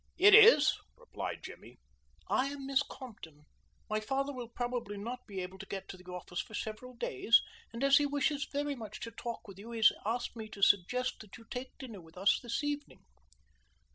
"It is," replied Jimmy. "I am Miss Compton. My father will probably not be able to get to the office for several days, and as he wishes very much to talk with you he has asked me to suggest that you take dinner with us this evening."